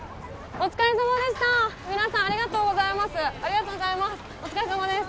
お疲れさまです。